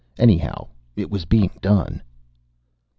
Anyhow it was being done.